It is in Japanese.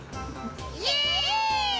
イエイ！